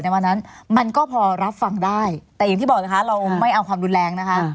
วันนั้นมันก็พอรับฟังได้แต่อย่างที่บอกนะคะเราไม่เอาความรุนแรงนะคะ